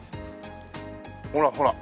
ほらほら。